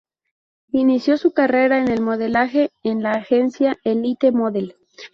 Inició su carrera en el modelaje en la agencia Elite model.